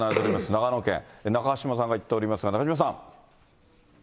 長野県、中島さんが行っておりますが、中島さん。